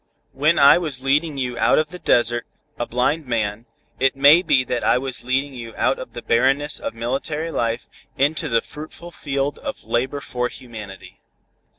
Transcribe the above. When I was leading you out of the desert, a blind man, it may be that I was leading you out of the barrenness of military life, into the fruitful field of labor for humanity."